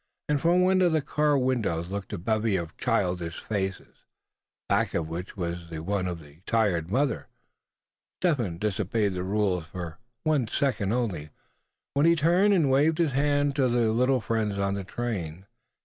And from one of the car windows looked a bevy of childish faces, back of which was the wan one of the tired mother; Step Hen disobeyed the rules for one second only, when he turned, and waved his hand to his little friends of the train.